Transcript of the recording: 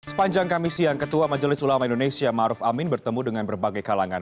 sepanjang kami siang ketua majelis ulama indonesia maruf amin bertemu dengan berbagai kalangan